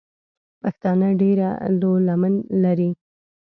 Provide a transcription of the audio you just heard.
پښتانه ډېره لو لمن لري.